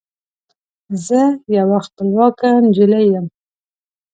زه یوه خپلواکه نجلۍ یم